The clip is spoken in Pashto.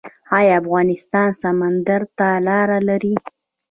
آیا افغانستان سمندر ته لاره لري؟